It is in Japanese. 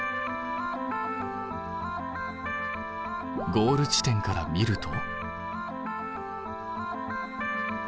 ゴール地点から見ると。